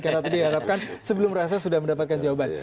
karena tadi diharapkan sebelum reses sudah mendapatkan jawaban